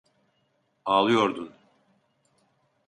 Ağlıyordun.